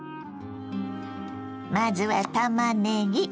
まずはたまねぎ。